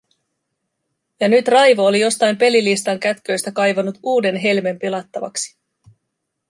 Ja nyt Raivo oli jostain pelilistan kätköistä kaivanut uuden helmen pelattavaksi.